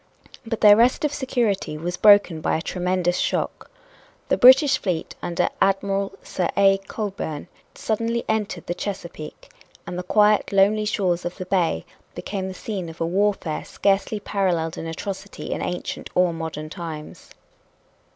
But their rest of security was broken by a tremendous shock. The British fleet under Admiral Sir A. Cockburn suddenly entered the Chesapeake. And the quiet, lonely shores of the bay became the scene of a warfare scarcely paralleled in atrocity in ancient or modern times.